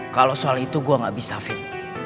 kalau soal itu gue gak bisa fin